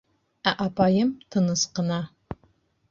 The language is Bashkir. Ә апайым тыныс ҡына: